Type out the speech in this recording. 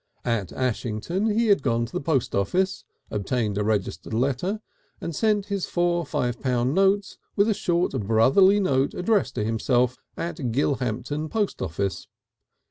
At Ashington he had gone to the post office, obtained a registered letter, and sent his four five pound notes with a short brotherly note addressed to himself at Gilhampton Post office.